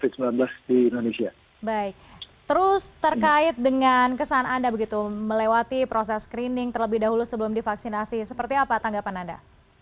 baik terus terkait dengan kesan anda begitu melewati proses screening terlebih dahulu sebelum divaksinasi seperti apa tanggapan anda